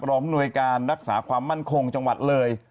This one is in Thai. อำนวยการรักษาความมั่นคงจังหวัดเลย